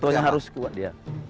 contohnya harus kuat dia